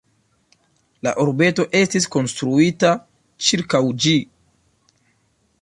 La urbeto estis konstruita ĉirkaŭ ĝi.